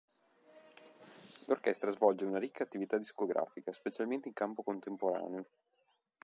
L'Orchestra svolge una ricca attività discografica, specialmente in campo contemporaneo.